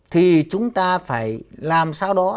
thì chúng ta phải làm sao đó